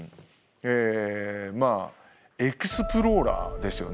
えまあエクスプローラーですよね